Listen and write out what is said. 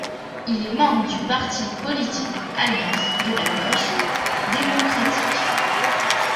Il est membre du parti politique Alliance de la gauche démocratique.